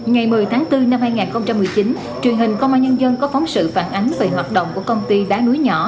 ngày một mươi tháng bốn năm hai nghìn một mươi chín truyền hình công an nhân dân có phóng sự phản ánh về hoạt động của công ty đá núi nhỏ